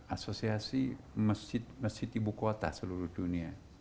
asosiasi masjid masjid ibu kota seluruh dunia